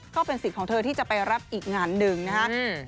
ก็เป็นสิทธิ์ของเธอที่จะไปรับอีกงานหนึ่งนะครับ